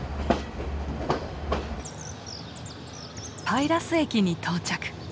パイラス駅に到着。